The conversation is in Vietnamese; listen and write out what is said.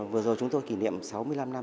vừa rồi chúng tôi kỷ niệm sáu mươi năm năm